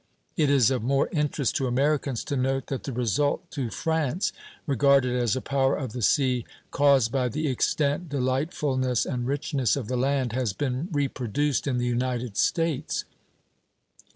It is of more interest to Americans to note that the result to France, regarded as a power of the sea, caused by the extent, delightfulness, and richness of the land, has been reproduced in the United States.